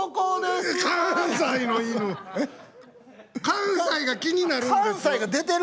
関西が気になるんです。